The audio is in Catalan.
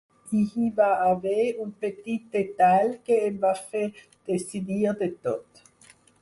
I hi va haver un petit detall que em va fer decidir de tot.